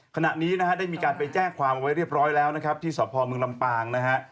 ขณะนี้ได้มีการไปแจ้งความเอาไว้เรียบร้อยแล้วที่สอบพรเมืองลำปางนะครับ